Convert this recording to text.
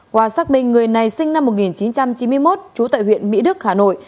qua xác minh người này sinh năm một nghìn chín trăm chín mươi một trú tại huyện mỹ đức hà nội